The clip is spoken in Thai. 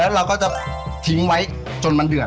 แล้วเราก็จะทิ้งไว้จนมันเดือด